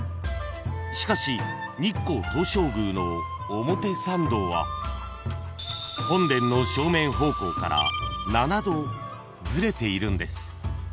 ［しかし日光東照宮の表参道は本殿の正面方向から７度ずれているんです］